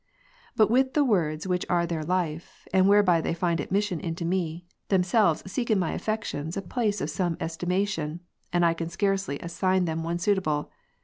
But with the words which are their life and whereby they find admission into me, them selves seek in my affections a place of some estimation, and I can scarcely assign them one suitable.